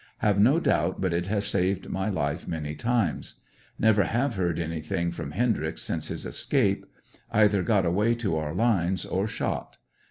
Have no doubt but it has saved my life many times. Never have heard anything from Hendry X since his escape. Either got away to our lines or shot.